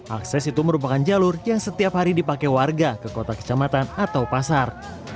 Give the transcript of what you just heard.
akses itu merupakan jalur yang setiap hari dipakai warga ke kota kecamatan atau pasar